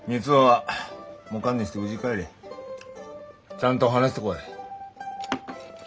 ちゃんと話してこい。